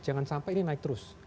jangan sampai ini naik terus